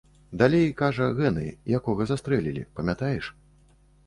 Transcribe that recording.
Далей, кажа, гэны, якога застрэлілі, памятаеш?